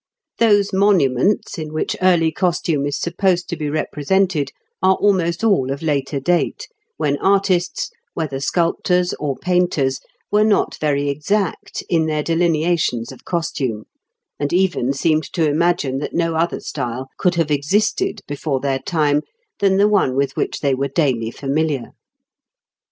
Those monuments in which early costume is supposed to be represented are almost all of later date, when artists, whether sculptors or painters, were not very exact in their delineations of costume, and even seemed to imagine that no other style could have existed before their time than the one with which they were daily familiar.